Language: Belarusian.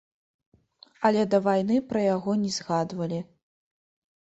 Але да вайны пра яго не згадвалі.